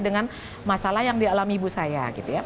dengan masalah yang dialami ibu saya